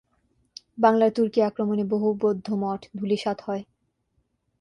বাংলার তুর্কী আক্রমণে বহু বৌদ্ধ মঠ ধূলিসাৎ হয়।